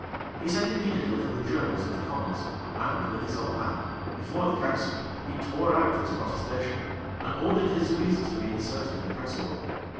He sent immediately for the journals of the commons; and, with his own hand, before the council, he tore out this protestation;[] and ordered his reasons to be inserted in the council book.